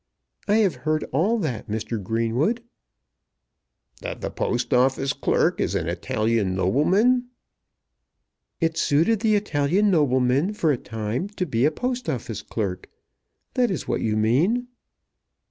"I have heard all that, Mr. Greenwood." "That the Post Office clerk is an Italian nobleman?" "It suited the Italian nobleman for a time to be a Post Office clerk. That is what you mean."